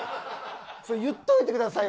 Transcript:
それ言っといてくださいよ